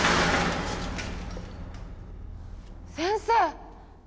・先生！